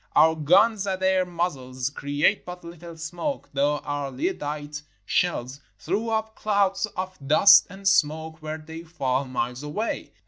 Our guns at their muzzles create but little smoke, though our Lyddite shells throw up clouds of dust and smoke where they fall miles away.